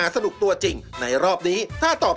สวัสดีครับ